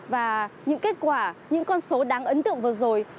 và những kết quả những con số đáng ấn tượng vừa rồi